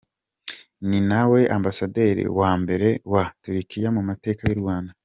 Ni nawe Ambasaderi wa mbere wa Turukiya mu mateka y’u Rwanda.